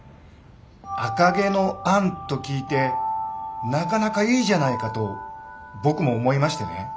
「赤毛のアン」と聞いてなかなかいいじゃないかと僕も思いましてね。